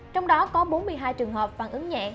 trong đó có bốn mươi hai trường hợp phản ứng nhẹ